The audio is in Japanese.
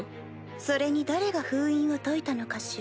それに誰が封印を解いたのかしら？